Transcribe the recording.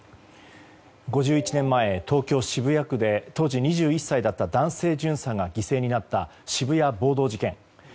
５１年前、東京・渋谷区で当時２１歳だった男性巡査が犠牲になった渋谷暴動事件。